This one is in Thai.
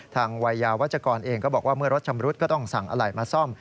วัยยาวัชกรเองก็บอกว่าเมื่อรถชำรุดก็ต้องสั่งอะไหล่มาซ่อม